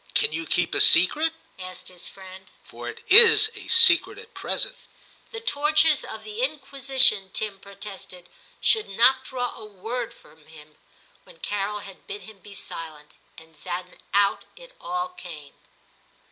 * Can you keep a secret?' asked his friend; * for it is a secret at present.' X TIM 229 The tortures of the Inquisition, Tim pro tested, should not draw a word from him, when Carol had bid him be silent ; and then out it all came.